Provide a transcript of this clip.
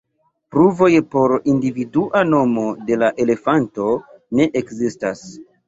Pruvoj por individua nomo de la elefanto ne ekzistas.